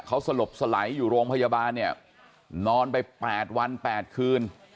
เขาสลบสไหลอยู่โรงพยาบาลเนี่ยนอนไป๘วัน๘คืน